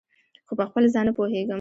خو پخپل ځان نه پوهیږم